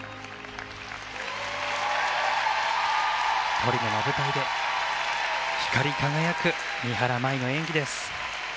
トリノの舞台で光り輝く三原舞依の演技です。